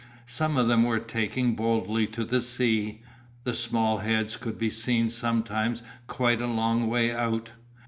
Some of them were taking boldly to the sea. Their small heads could be seen sometimes quite a long way out.